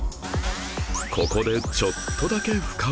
ここでちょっとだけ深掘り